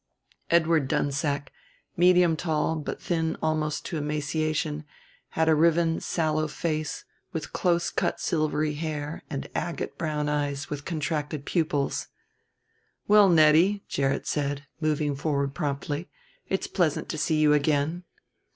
Edward Dunsack, medium tall but thin almost to emaciation, had a riven sallow face with close cut silvery hair and agate brown eyes with contracted pupils. "Well, Nettie," Gerrit said, moving forward promptly, "it's pleasant to see you again."